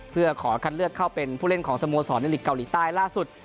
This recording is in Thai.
เพื่อขอคัดเลือกเข้าเป็นผู้เล่นของสโมสรในหลีกเกาหลีใต้ล่าสุด